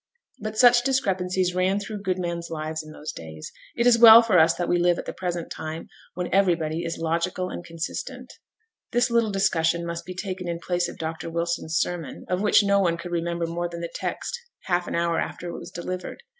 But such discrepancies ran through good men's lives in those days. It is well for us that we live at the present time, when everybody is logical and consistent. This little discussion must be taken in place of Dr Wilson's sermon, of which no one could remember more than the text half an hour after it was delivered.